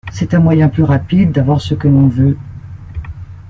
C'est un moyen plus rapide d'avoir ce que l'on veut.